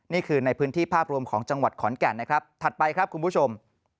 นี่คือในพื้นที่ภาพรวมของจังหวัดขอนแก่นนะครับถัดไปครับคุณผู้ชม